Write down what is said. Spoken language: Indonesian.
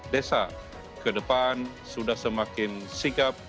desa ke depan sudah semakin sigap